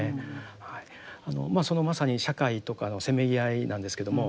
まさに社会とかのせめぎ合いなんですけども。